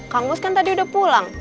kang us kan tadi udah pulang